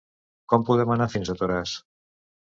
Com podem anar fins a Toràs?